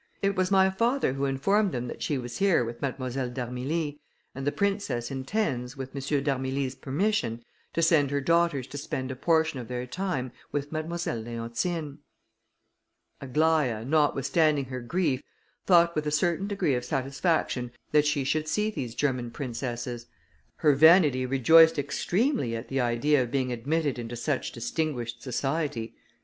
It was my father who informed them that she was here, with Mademoiselle d'Armilly, and the princess intends, with M. d'Armilly's permission, to send her daughters to spend a portion of their time with Mademoiselle Leontine." Aglaïa, notwithstanding her grief, thought with a certain degree of satisfaction, that she should see these German princesses; her vanity rejoiced extremely at the idea of being admitted into such distinguished society.